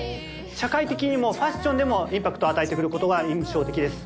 社会的にもファッションでもインパクトを与えてくる事は印象的です。